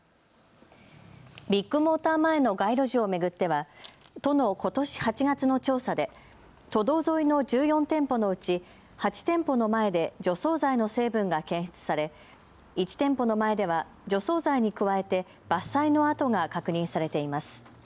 ビッグモーター前の街路樹を巡っては都のことし８月の調査で都道沿いの１４店舗のうち８店舗の前で除草剤の成分が検出され１店舗の前では除草剤に加えて伐採の跡が確認されています。